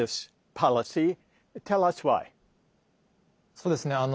そうですね